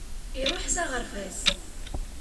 Iruḥ s aɣerbaz.